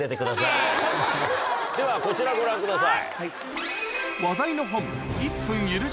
ではこちらをご覧ください。